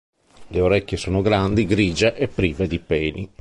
Le orecchie sono grandi, grigie e prive di peli.